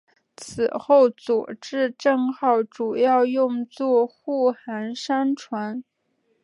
此后佐治镇号主要用作护航商船。